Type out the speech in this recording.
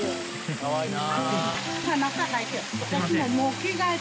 かわいいな。